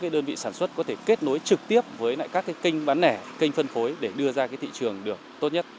đơn vị sản xuất có thể kết nối trực tiếp với các kênh bán lẻ kênh phân phối để đưa ra thị trường được tốt nhất